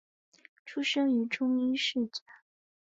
出生于中医世家。